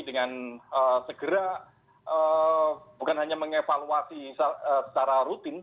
dengan segera bukan hanya mengevaluasi secara rutin